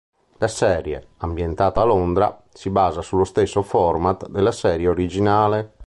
La serie, ambientata a Londra, si basa sullo stesso format della serie originale.